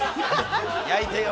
焼いてよ！